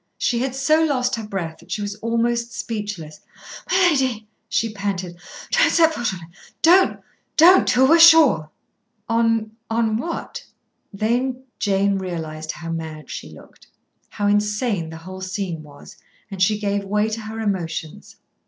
She had so lost her breath that she was almost speechless. "My lady," she panted. "Don't set foot on it; don't don't, till we're sure." "On on what?" Then Jane realised how mad she looked, how insane the whole scene was, and she gave way to her emotions.